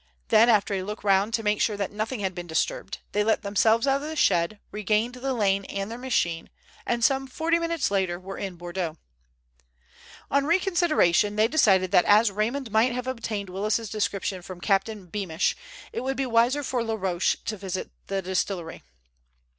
Then after a look round to make sure that nothing had been disturbed, they let themselves out of the shed, regained the lane and their machine, and some forty minutes later were in Bordeaux. On reconsideration they decided that as Raymond might have obtained Willis's description from Captain Beamish, it would be wiser for Laroche to visit the distillery.